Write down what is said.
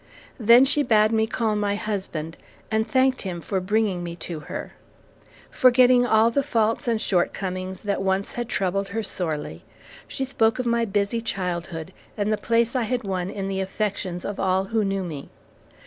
Then she bade me call my husband, and thanked him for bringing me to her. Forgetting all the faults and shortcomings that once had troubled her sorely, she spoke of my busy childhood and the place I had won in the affections of all who knew me.